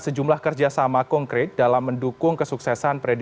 sejumlah kerjasama konkret dalam mendukung kesuksesan